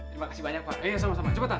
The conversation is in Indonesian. terima kasih banyak pak ayo sama sama coba